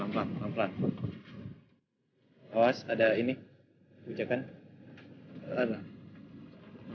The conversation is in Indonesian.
ihh baru lho sem gitulang ya ivy diwaw benefited aja barangnya